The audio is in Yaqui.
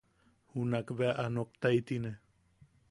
Junak bea a noktaitine.